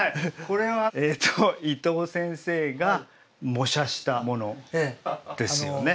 これはえと伊藤先生が模写したものですよね？